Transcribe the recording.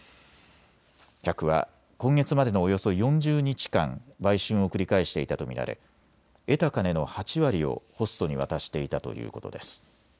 客は今月までのおよそ４０日間、売春を繰り返していたと見られ得た金の８割をホストに渡していたということです。